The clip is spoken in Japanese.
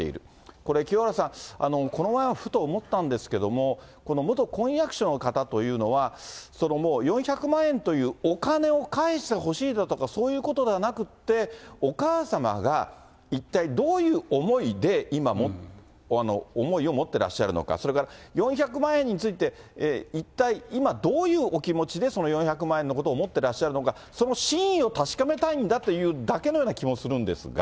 これ、清原さん、この前ふと思ったんですけれども、元婚約者の方というのは、もう４００万円というお金を返してほしいだとか、そういうことではなくて、お母様が一体どういう思いで、今、思いを持ってらっしゃるのか、それから、４００万円について、いったい今、どういうお気持ちでその４００万円のことを思ってらっしゃるのか、その真意を確かめたいんだというふうな気もするんですが。